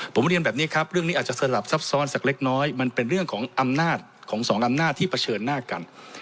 ผมเรียนแบบนี้ครับเรื่องนี้อาจจะสลับซับซ้อนสักเล็กน้อยมันเป็นเรื่องของอำนาจของสองอำนาจที่เผชิญหน้ากัน